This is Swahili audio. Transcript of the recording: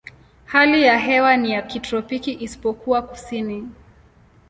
Hali ya hewa ni ya kitropiki isipokuwa kusini.